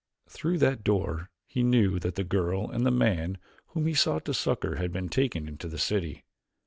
Through that door he knew that the girl and the man whom he sought to succor had been taken into the city.